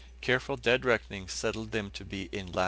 Careful dead reckoning settled them to be in lat.